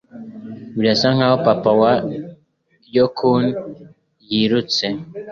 Birasa nkaho papa wa Yokkun yirutse